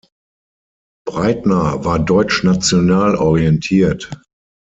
Breitner war deutschnational orientiert.